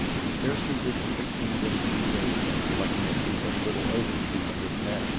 Scarcely did he succeed in three days in collecting a troop of a little ovtr two hundred men.